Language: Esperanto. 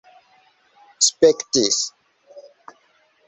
spektis